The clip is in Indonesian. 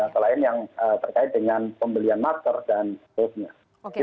selain yang terkait dengan pembelian masker dan booth nya